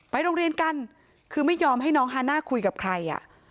โรงเรียนกันคือไม่ยอมให้น้องฮาน่าคุยกับใครอ่ะ